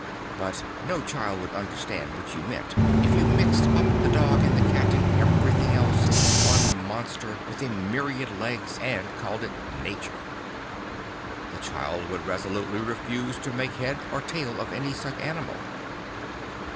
But no child would understand what you meant if you mixed up the dog and the cat and everything else into one monster with a myriad legs and called it nature. The child would resolutely refuse to make head or tail of any such animal.